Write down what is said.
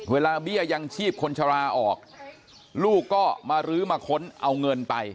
เบี้ยยังชีพคนชะลาออกลูกก็มารื้อมาค้นเอาเงินไป